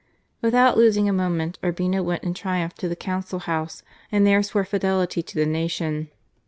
Without losing a moment, Urbina went in 46 GARCIA MORENO. triumph to the council house and there swore fidelity to the nation.